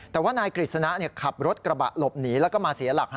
แต่ว่านายกฤษณะขับรถกระบะหลบหนีแล้วก็มาเสียหลัก